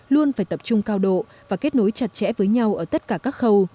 luôn phải tập trung cao độ và kết nối chặt chẽ với nhau ở tất cả các khâu